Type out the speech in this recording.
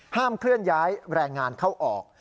เคลื่อนย้ายแรงงานเข้าออก